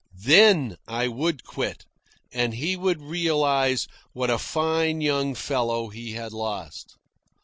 Then I would quit, and he would realise what a fine young fellow he had lost.